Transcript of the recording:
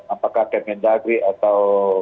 apakah kpmd agri atau